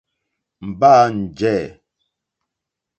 Mbâ njɛ̂.